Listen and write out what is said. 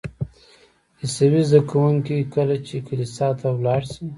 عیسوي زده کوونکي کله چې کلیسا ته لاړ شي.